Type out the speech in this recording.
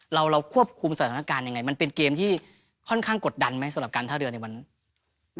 เราควบคุมสถานการณ์ยังไงมันเป็นเกมที่ค่อนข้างกดดันไหมสำหรับการท่าเรือในวันนั้น